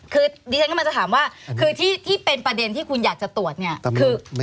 คือดิฉันกำลังจะถามว่าคือที่เป็นประเด็นที่คุณอยากจะตรวจเนี่ยคือ